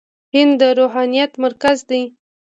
هند د روحانيت مرکز دی.